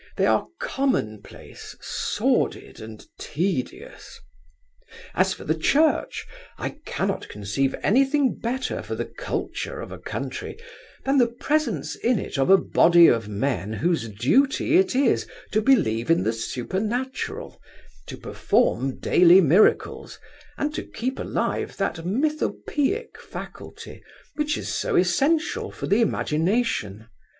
They are commonplace, sordid and tedious. As for the Church, I cannot conceive anything better for the culture of a country than the presence in it of a body of men whose duty it is to believe in the supernatural, to perform daily miracles, and to keep alive that mythopoeic faculty which is so essential for the imagination.